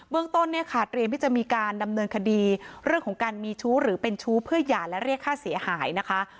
ต้นเนี่ยค่ะเตรียมที่จะมีการดำเนินคดีเรื่องของการมีชู้หรือเป็นชู้เพื่อหย่าและเรียกค่าเสียหายนะคะ